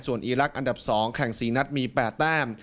ส่วนอีรักษ์อันดับ๒แข่ง๔นัดมี๘แต้ม